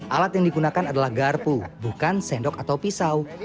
alat yang digunakan adalah garpu bukan sendok atau pisau